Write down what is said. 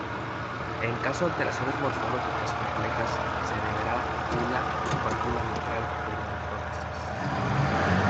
En caso de alteraciones morfológicas complejas se deberá ula válvula mitral por una prótesis.